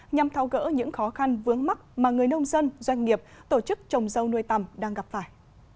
nhằm thao gỡ những khó khăn vướng mắt mà người nông dân doanh nghiệp tổ chức trồng dâu nuôi tầm đang gặp phải